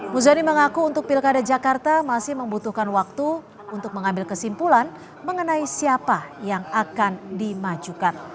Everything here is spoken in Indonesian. muzani mengaku untuk pilkada jakarta masih membutuhkan waktu untuk mengambil kesimpulan mengenai siapa yang akan dimajukan